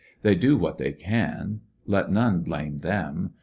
They do what they can. Let none blame them.